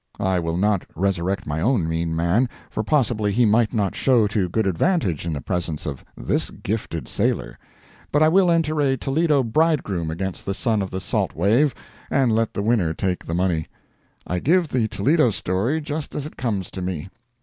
I will not resurrect my own mean man, for possibly he might not show to good advantage in the presence of this gifted sailor; but I will enter a Toledo bridegroom against the son of the salt wave, and let the winner take the money. I give the Toledo story just as it comes to me.